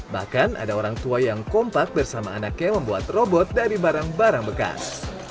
bahkan ada orang tua yang kompak bersama anaknya membuat robot dari barang barang bekas